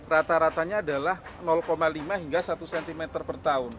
rata ratanya adalah lima hingga satu cm per tahun